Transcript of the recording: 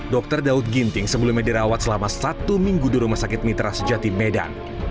dr daud ginting sebelumnya dirawat selama satu minggu di rumah sakit mitra sejati medan